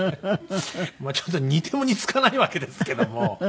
まあちょっと似ても似つかないわけですけども。